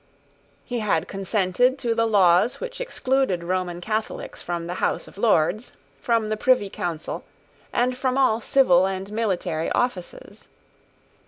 He had consented to the laws which excluded Roman Catholics from the House of Lords, from the Privy Council, and from all civil and military offices.